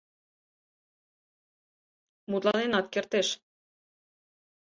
Мутланенат кертеш.